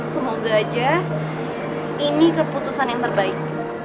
semoga aja ini keputusan yang terbaik